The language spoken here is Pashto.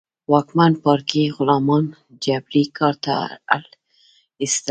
واکمن پاړکي غلامان جبري کار ته اړ اېستل.